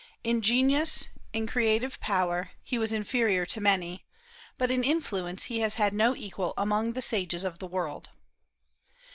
In genius, in creative power, he was inferior to many; but in influence he has had no equal among the sages of the world.